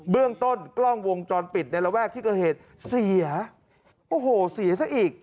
เรื่องต้นกล้องวงจรปิดในระแวกที่เกิดเหตุเสียโอ้โหเสียซะอีก